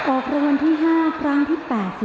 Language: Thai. ออกรางวัลที่๕ครั้งที่๘๔